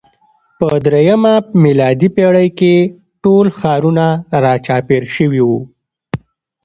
په درېیمه میلادي پېړۍ کې ټول ښارونه راچاپېر شوي وو.